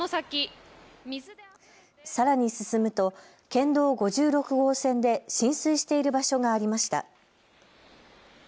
さらに進むと県道５６号線で浸水している場所がありました。